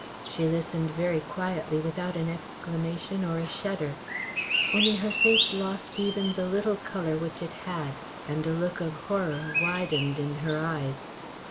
She listened very quietly without an exclamation or a shudder; only her face lost even the little colour which it had, and a look of horror widened in her eyes.